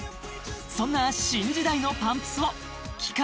そんな新時代のパンプスを期間